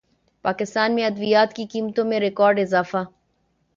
پاکستان میں ادویات کی قیمتوں میں ریکارڈ اضافہ